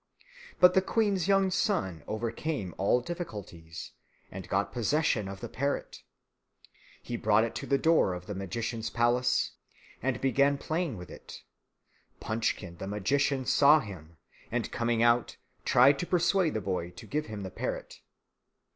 But the queen's young son overcame all difficulties, and got possession of the parrot. He brought it to the door of the magician's palace, and began playing with it. Punchkin, the magician, saw him, and, coming out, tried to persuade the boy to give him the parrot.